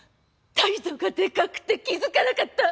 態度がでかくて気付かなかった！